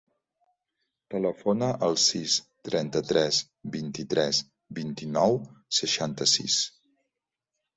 Telefona al sis, trenta-tres, vint-i-tres, vint-i-nou, seixanta-sis.